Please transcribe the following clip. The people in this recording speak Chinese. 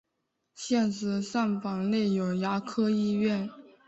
现时站房内有牙科医院。